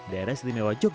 daerah istimewa jogja jepang